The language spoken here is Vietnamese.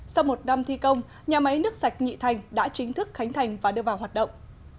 sau một năm thi công nhà máy nước sạch nhị thành đã chính thức khánh thành và đưa vào hoạt động